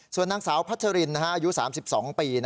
ส่วนนางสาวพัชรินอายุ๓๒ปี